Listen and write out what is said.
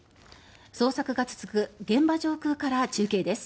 捜索が続く現場上空から中継です。